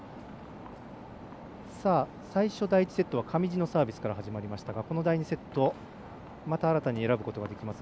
最初、第１セットは上地のサービスから始まりましたがこの第２セットまた新たに選ぶことができます。